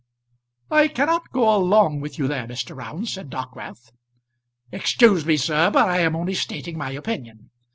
"I cannot go along with you there, Mr. Round," said Dockwrath. "Excuse me, sir, but I am only stating my opinion.